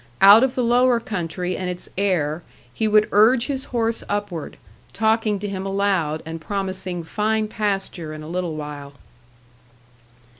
Out of the lower country and its air he would urge his horse upward, talking to him aloud, and promising fine pasture in a little while.